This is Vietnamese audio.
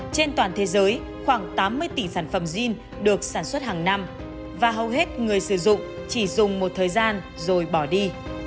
trên toàn thế giới khoảng tám mươi tỷ sản phẩm jean được sản xuất hàng năm và hầu hết người sử dụng chỉ dùng một thời gian rồi bỏ đi